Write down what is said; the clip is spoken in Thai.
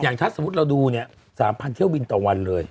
ถ้าสมมุติเราดูเนี่ย๓๐๐เที่ยวบินต่อวันเลย